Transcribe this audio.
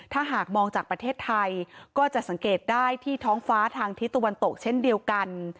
ถ้าหากมองจากประเทศไทยก็จะสังเกตได้ที่ท้องฟ้าทางทิศตะวันตกเช่นเดียวกัน